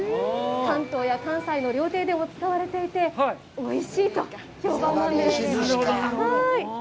関東や関西の料亭でも使われていて、おいしいと評判なんです。